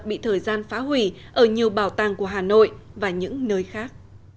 bị thời gian phá hủy ở nhiều bảo tàng của hà nội và những nơi khác